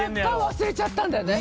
忘れちゃったんだよね。